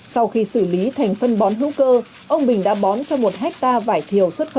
sau khi xử lý thành phân bón hữu cơ ông bình đã bón cho một hectare